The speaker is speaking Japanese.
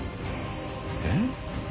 ［えっ？］